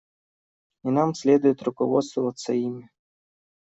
И нам следует руководствоваться им.